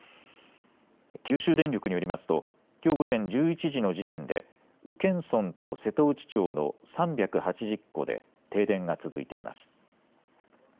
九州電力によりますときょう午前１１時の時点で宇検村と瀬戸内町の３８０戸で停電が続いています。